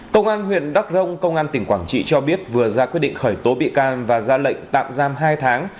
công an huyện đắc rông công an tỉnh quảng trị cho biết vừa ra quyết định khởi tố bị can và ra lệnh tạm giam hai tháng